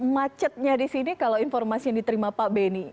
macetnya di sini kalau informasi yang diterima pak beni